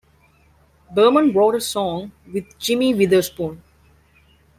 Berman wrote a song with Jimmy Witherspoon.